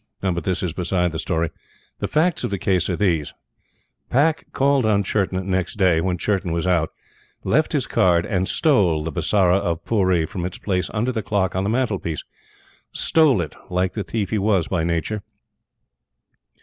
But this is beside the story. The facts of the case are these: Pack called on Churton next day when Churton was out, left his card, and STOLE the Bisara of Pooree from its place under the clock on the mantelpiece! Stole it like the thief he was by nature.